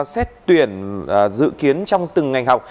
xét tuyển dự kiến trong từng ngành học